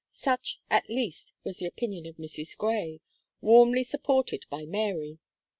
Such, at least, was the opinion of Mrs. Gray, warmly supported by Mary.